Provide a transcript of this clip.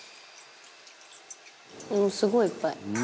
「すごいいっぱい」